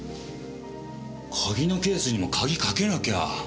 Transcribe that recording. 鍵のケースにも鍵かけなきゃ。